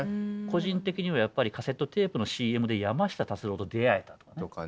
個人的にはやっぱりカセットテープのＣＭで山下達郎と出会えたとかね。